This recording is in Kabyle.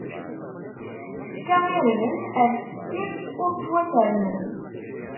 Tefka irden ar tessirt, ur ttwafernen.